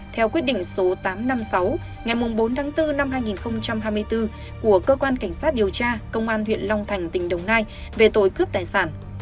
theo quyết định số tám trăm năm mươi sáu ngày bốn tháng bốn năm hai nghìn hai mươi bốn của cơ quan cảnh sát điều tra công an huyện long thành tỉnh đồng nai về tội cướp tài sản